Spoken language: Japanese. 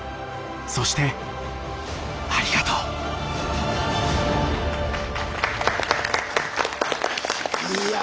そしてありがとう。